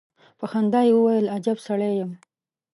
په خندا يې وويل: اجب سړی يم.